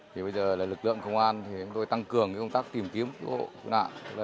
thì bây giờ là lực lượng công an thì chúng tôi tăng cường công tác tìm kiếm cơ hội nạn